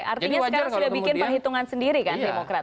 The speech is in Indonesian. artinya sekarang sudah bikin perhitungan sendiri kan demokrat